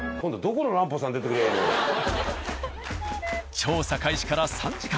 調査開始から３時間。